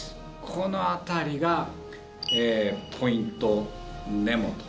この辺りがポイント・ネモ。